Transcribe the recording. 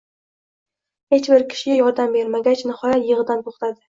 Hech bir kishi yordam bermagach, nihoyat, yig’idan to’xtadi